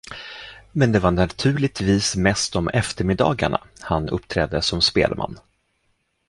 Men det var naturligtvis mest om eftermiddagarna han uppträdde som spelman.